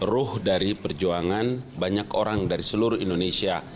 ruh dari perjuangan banyak orang dari seluruh indonesia